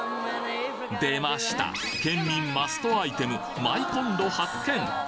出ました県民マストアイテムＭＹコンロ発見